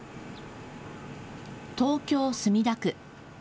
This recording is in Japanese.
東京墨田区。